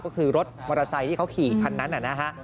ก็คือรถมอเตอร์ไซค์ที่เขาขี่คันนั้นนะฮะ